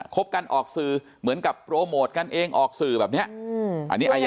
บกันออกสื่อเหมือนกับโปรโมทกันเองออกสื่อแบบนี้